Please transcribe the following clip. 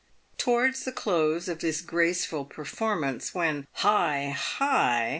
Towards the close of this graceful performance, when "Hi, hi!"